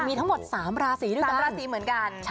มีทั้งหมด๓ราศีด้วย๓ราศีเหมือนกัน